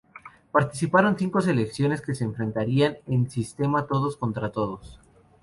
Participaron cinco selecciones que se enfrentarían en sistema todos contra todos.